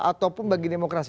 ataupun bagi demokrasi